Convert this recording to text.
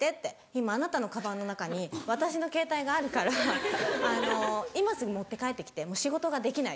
今あなたのカバンの中に私のケータイがあるから今すぐ持って帰ってきてもう仕事ができない」って。